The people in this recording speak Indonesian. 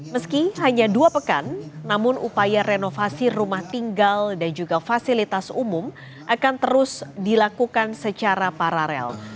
meski hanya dua pekan namun upaya renovasi rumah tinggal dan juga fasilitas umum akan terus dilakukan secara paralel